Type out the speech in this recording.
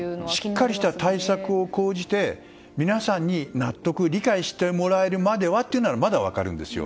しっかりした対策を講じて皆さんに納得・理解してもらえるまではというならまだ分かるんですよ。